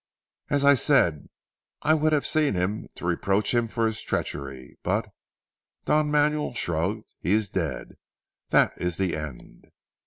As I said I would have seen him to reproach him for his treachery, but " Don Manuel shrugged "he is dead. That is the end."